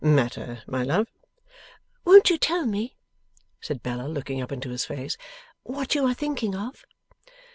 'Matter, my love?' 'Won't you tell me,' said Bella, looking up into his face, 'what you are thinking of?